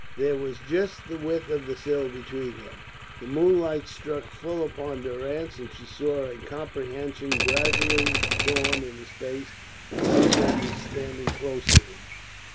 There was just the width of the sill between them. The moonlight struck full upon Durrance, and she saw a comprehension gradually dawn in his face that some one was standing close to him.